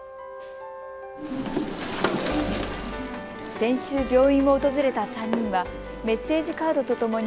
先週、病院を訪れた３人はメッセージカードとともに